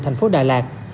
thành phố đà lạt